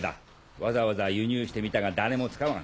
わざわざ輸入してみたが誰も使わん。